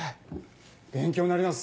勉強になります。